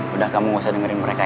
udah kamu gak usah dengerin mereka